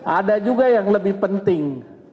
ada juga yang lebih penting